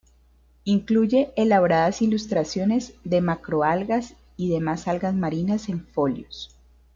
Incluye elaboradas ilustraciones de macroalgas y demás algas marinas en folios.